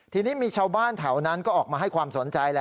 ทีนี้มีชาวบ้านแถวนั้นก็ออกมาให้ความสนใจแหละ